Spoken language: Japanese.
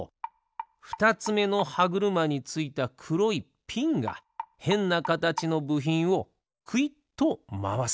ふたつめのはぐるまについたくろいピンがへんなかたちのぶひんをくいっとまわす。